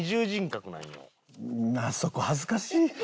そこ恥ずかしい。